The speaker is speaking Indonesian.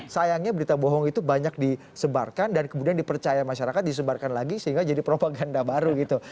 sayangnya berita bohong itu banyak disebarkan dan kemudian dipercaya masyarakat disebarkan lagi sehingga jadi propaganda baru gitu